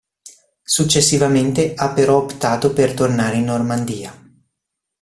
Successivamente ha però optato per tornare in Normandia.